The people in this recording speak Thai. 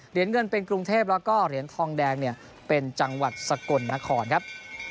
เหรียญเงินเป็นกรุงเทพแล้วก็เหรียญทองแดงเนี่ยเป็นจังหวัดสกลนครครับ